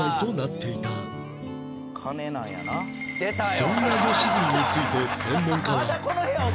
そんな吉住について専門家は